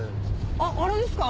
あっあれですか？